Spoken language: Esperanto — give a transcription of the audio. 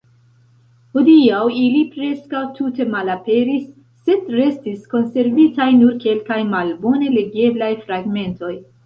Hodiaŭ ili preskaŭ tute malaperis, sed restis konservitaj nur kelkaj malbone legeblaj fragmentoj.